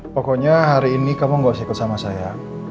pokoknya hari ini kamu gak usah ikut sama saya